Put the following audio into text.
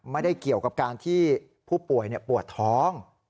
ไม่ได้เกี่ยวกับการที่ผู้ป่วยปวดท้อง